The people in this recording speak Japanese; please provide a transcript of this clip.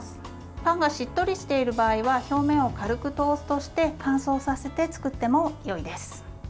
パンがしっとりしている場合は表面を軽くトーストして乾燥させて作ってもよいです。